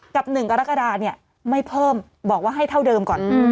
กับ๑กรกฎาเนี่ยไม่เพิ่มบอกว่าให้เท่าเดิมก่อน